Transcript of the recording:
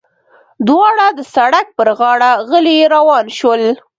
دواړه د سړک پر غاړه غلي روان شول.